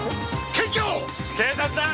警察だ。